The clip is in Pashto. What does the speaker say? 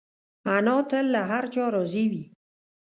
انا تل له هر چا راضي وي